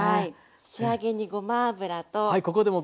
仕上げにごま油と。